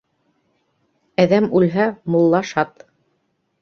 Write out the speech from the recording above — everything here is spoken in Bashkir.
Әҙәм үлһә, мулла шат.